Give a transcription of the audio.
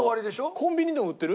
コンビニでも売ってる？